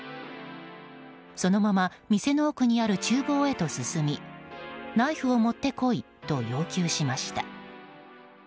そのまま店の奥にある厨房へと進みナイフを持ってこいと要求しました。